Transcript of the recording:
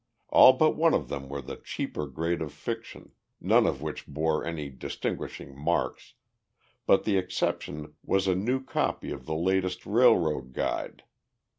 All but one of them were the cheaper grade of fiction, none of which bore any distinguishing marks, but the exception was a new copy of the latest Railroad Guide.